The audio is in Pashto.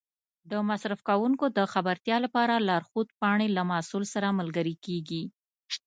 د مصرف کوونکو د خبرتیا لپاره لارښود پاڼې له محصول سره ملګري کېږي.